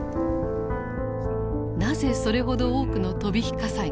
なぜそれほど多くの飛び火火災が起こったのか。